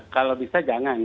kalau bisa jangan